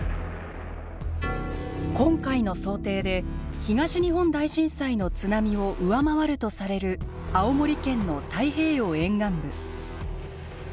今回の想定で東日本大震災の津波を上回るとされる青森県の太平洋沿岸部。